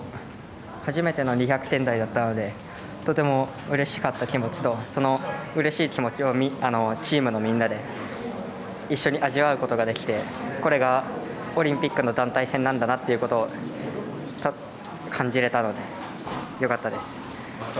初めての２００点台だったのでとても、うれしかった気持ちとそのうれしい気持ちをチームのみんなで一緒に味わうことができてこれがオリンピックの団体戦なんだなってことを感じられたのでよかったです。